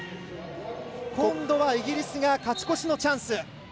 今度はイギリスが勝ち越しのチャンス。